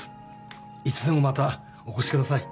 いつでもまたお越しください。